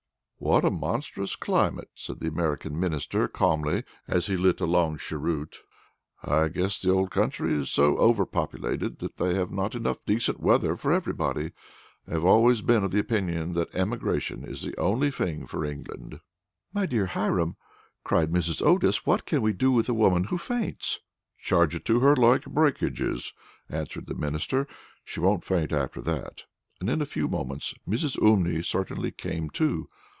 "What a monstrous climate!" said the American Minister, calmly, as he lit a long cheroot. "I guess the old country is so overpopulated that they have not enough decent weather for everybody. I have always been of opinion that emigration is the only thing for England." "My dear Hiram," cried Mrs. Otis, "what can we do with a woman who faints?" "Charge it to her like breakages," answered the Minister; "she won't faint after that"; and in a few moments Mrs. Umney certainly came to.